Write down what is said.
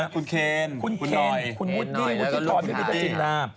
คุณเคนคุณหน่อยคุณวุทย์ดิ้งและคุณน้อยและคุณพิพัฒนา